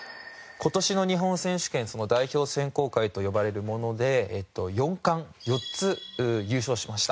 今年の日本選手権代表選考会と呼ばれるもので４冠４つ優勝しました。